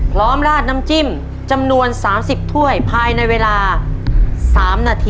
พร้อมราดน้ำจิ้มจำนวนสามสิบถ้วยภายในเวลาสามนาที